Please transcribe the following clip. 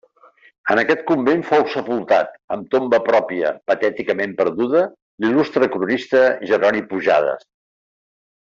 En aquest convent fou sepultat, amb tomba pròpia patèticament perduda, l'il·lustre cronista Jeroni Pujades.